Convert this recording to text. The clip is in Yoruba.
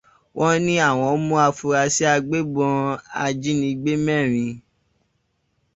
Wọ́n ní àwọn mú afurasí agbébọn ajínigbé mẹ́rin.